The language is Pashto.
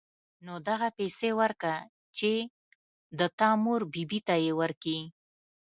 نو دغه پيسې وركه چې د تا مور بي بي ته يې وركي.